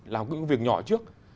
làm những công việc nhỏ trước